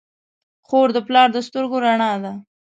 خور د پلار د سترګو رڼا ده.